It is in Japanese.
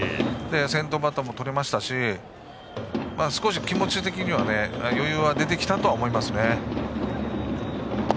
先頭バッターもとれましたし少し気持ち的には余裕は出てきたと思いますね。